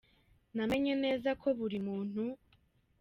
Namenye neza ko buri muntu